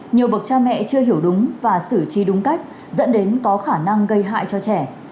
nhiều bậc cha mẹ chưa hiểu đúng và xử trí đúng cách dẫn đến có khả năng gây hại cho trẻ